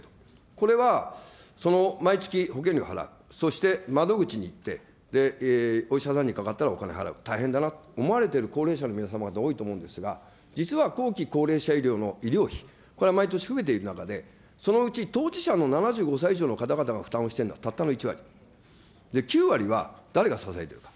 これは、毎月保険料を払う、そして窓口に行って、お医者さんにかかったらお金払う、大変だなと思われてる高齢者の皆様方、多いと思うんですが、実は後期高齢者医療の医療費、これは毎年増えている中で、そのうち当事者の７５歳以上の方々の負担をしているのはたったの１割、９割は誰が支えているか。